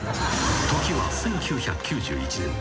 ［時は１９９１年］